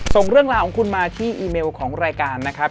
ส่งเรื่องราวของคุณมาที่อีเมลของรายการนะครับ